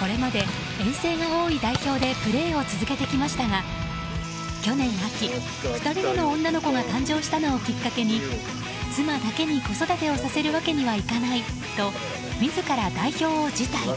これまで遠征が多い代表でプレーを続けてきましたが去年秋、２人目の女の子が誕生したのをきっかけに妻だけに子育てをさせるわけにはいかないと自ら代表を辞退。